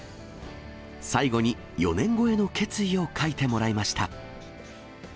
最後に、４年後への決意を書いてもらいました。